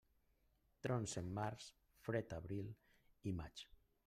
Trons en març, fred abril i maig.